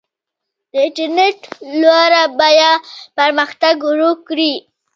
د انټرنیټ لوړه بیه پرمختګ ورو کوي.